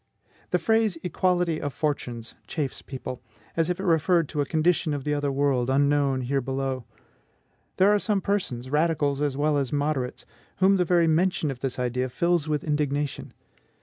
The phrase EQUALITY OF FORTUNES chafes people, as if it referred to a condition of the other world, unknown here below. There are some persons, radicals as well as moderates, whom the very mention of this idea fills with indignation.